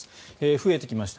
増えてきました